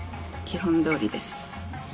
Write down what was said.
基本どおりです。